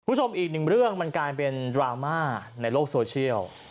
คุณผู้ชมอีกหนึ่งเรื่องมันกลายเป็นดราม่าในโลกโซเชียล